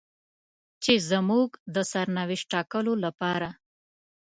چې زموږ د سرنوشت ټاکلو لپاره.